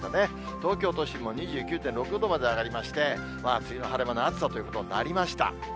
東京都心も２９．６度まで上がりまして、梅雨の晴れ間の暑さということになりました。